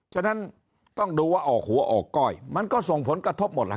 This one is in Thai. ฉะนั้นต้องดูว่าออกหัวออกก้อยมันก็ส่งผลกระทบหมดล่ะ